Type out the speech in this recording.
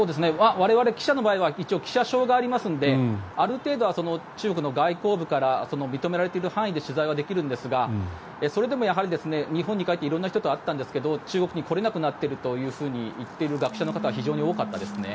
我々、記者の場合は一応、記者証がありますのである程度は中国の外交部から認められている範囲で取材はできるんですがそれでもやはり日本に帰って色んな人に会ったんですけど中国に来れなくなっているというふうに言っている学者の方は非常に多かったですね。